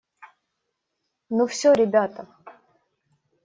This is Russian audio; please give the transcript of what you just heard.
Ну все, ребята?